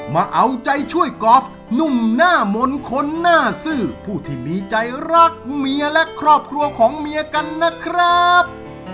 มาเอาใจช่วยกอล์ฟหนุ่มหน้ามนต์คนหน้าซื่อผู้ที่มีใจรักเมียและครอบครัวของเมียกันนะครับ